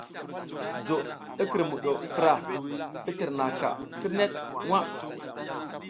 Jo i kǝrmuɗo krah i tǝrnaʼaka kǝrnek nwa.